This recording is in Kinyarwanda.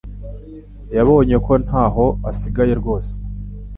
yabonye ko ntaho asigaye rwose.